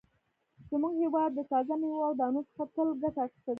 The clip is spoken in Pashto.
زموږ هېواد د تازه مېوو او دانو څخه تل ګټه اخیستې ده.